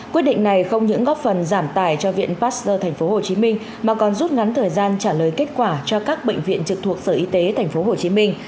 quyết định này không những góp phần giảm tài cho viện pasteur tp hcm mà còn rút ngắn thời gian trả lời kết quả cho các bệnh viện trực thuộc sở y tế tp hcm